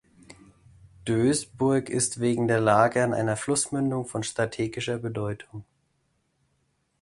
Doesburg ist wegen der Lage an einer Flussmündung von strategischer Bedeutung.